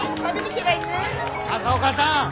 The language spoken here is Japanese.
朝岡さん